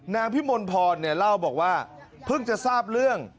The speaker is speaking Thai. นางพิมลพรเล่าบอกว่าเพิ่งจะทราบเรื่อง